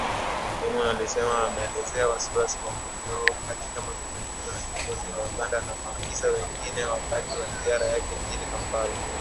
Eamon alisema ameelezea wasiwasi wa umoja huo, katika mazungumzo na kiongozi wa Uganda na maafisa wengine wakati wa ziara yake mjini kampala